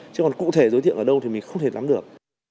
chứ còn cụ thể giới thiệu ở đâu thì mình không thể lắm được